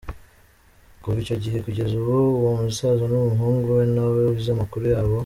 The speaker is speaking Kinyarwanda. Kuva icyo gihe kugeza ubu uwo musaza n’umuhungu we ntawe uzi amakuru yabo!